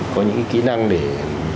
có những kỹ năng để